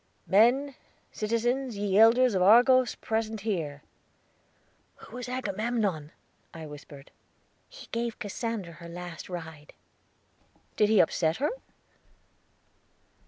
"Men! Citizens! ye Elders of Argos present here." "Who was Agamemnon?" I whispered. "He gave Cassandra her last ride." "Did he upset her?"